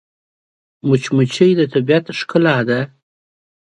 مچمچۍ د طبیعت ښکلا ده